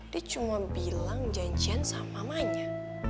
dia cuma bilang janjian sama mamanya